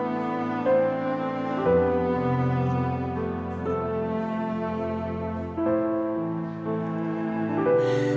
saya akan menerima kesempatanmu